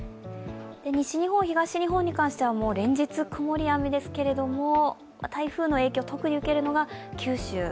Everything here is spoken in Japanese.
西日本、東日本に関しては連日曇りや雨ですけれども、台風の影響を特に受けるのが九州。